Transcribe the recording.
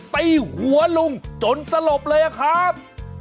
ตีหัวลุงจนสลบเลยอะครับ